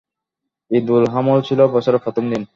ঈদুল হামল ছিল বছরের প্রথম দিন।